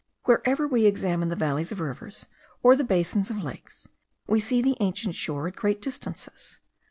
Wherever we examine the valleys of rivers, or the basins of lakes, we see the ancient shore at great distances.